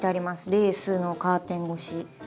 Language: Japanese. レースのカーテン越し。